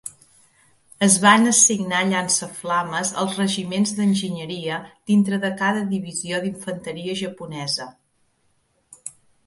Es van assignar llançaflames als regiments d'enginyeria dintre de cada divisió d'infanteria japonesa.